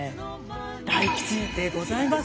大吉でございます。